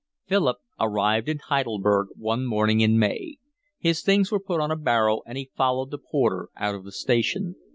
Philip arrived in Heidelberg one morning in May. His things were put on a barrow and he followed the porter out of the station.